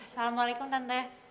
salam alaikum tante